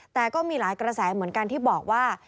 แต่ก็มีหลายกระแสเหมือนกันที่บอกว่า